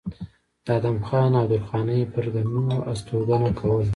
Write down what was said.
د ادم خان او درخانۍ پلرګنو استوګنه کوله